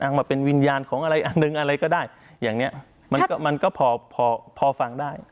มาเป็นวิญญาณของอะไรอันหนึ่งอะไรก็ได้อย่างเนี้ยมันก็มันก็พอพอฟังได้